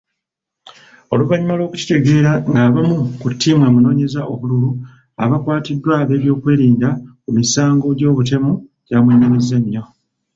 Oluvannyuma lw'okukitegeera ng'abamu ku ttiimu emunoonyeza obululu, baakwatiddwa ab'ebyokwerinda ku misango gy'obutemu, kyamwenyamizza nyo.